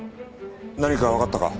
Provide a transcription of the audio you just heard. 何かわかったか？